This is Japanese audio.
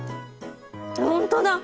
ホントだ！